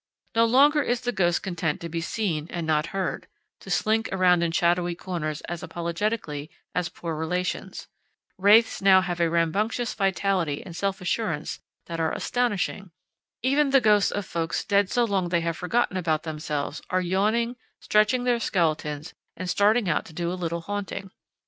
No longer is the ghost content to be seen and not heard, to slink around in shadowy corners as apologetically as poor relations. Wraiths now have a rambunctious vitality and self assurance that are astonishing. Even the ghosts of folks dead so long they have forgotten about themselves are yawning, stretching their skeletons, and starting out to do a little haunting.